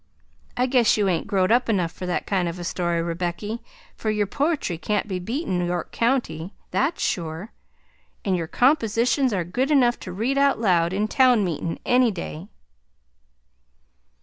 I guess you ain't growed up enough for that kind of a story, Rebecky, for your poetry can't be beat in York County, that's sure, and your compositions are good enough to read out loud in town meetin' any day!"